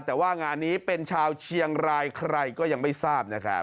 แต่ว่างานนี้เป็นชาวเชียงรายใครก็ยังไม่ทราบนะครับ